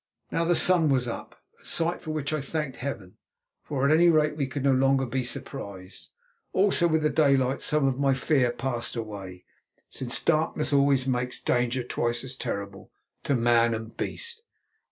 Now the sun was up, a sight for which I thanked Heaven, for, at any rate, we could no longer be surprised. Also, with the daylight, some of my fear passed away, since darkness always makes danger twice as terrible to man and beast.